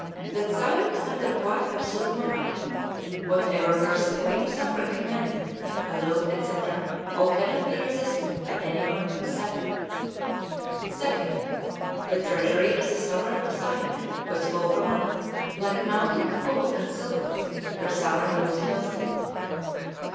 That Siam is under quite absolute Monarchy. Whatever her Supreme Sovereign commanded, allowed, &c all cannot be resisted by any one of his Subjects. "2. The Treasury of the Sovereign of Siam, was full for money, like a mountain of gold and silver; Her Sovereign most wealthy.